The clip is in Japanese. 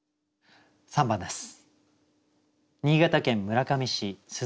３番です。